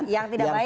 yang tidak baik